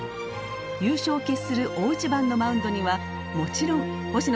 優勝を決する大一番のマウンドにはもちろん星野さんが立っていました。